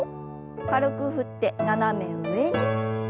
軽く振って斜め上に。